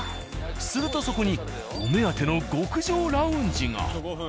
するとそこにお目当ての極上ラウンジが。